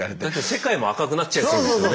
世界も赤くなっちゃいそうですよね。